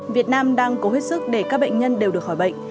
việt nam đang có hết sức để các bệnh nhân đều được khỏi bệnh